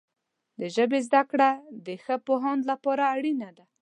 د ژبې زده کړه د یو ښه پوهاند لپاره اړینه ده.